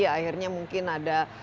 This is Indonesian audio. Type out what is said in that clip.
akhirnya mungkin ada